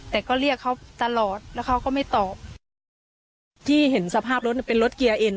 แต่ก็เรียกเขาตลอดแล้วเขาก็ไม่ตอบที่เห็นสภาพรถเป็นรถเกียร์เอ็น